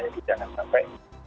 jadi jangan sampai